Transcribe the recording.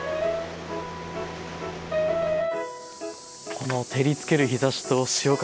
この照りつける日ざしと潮風。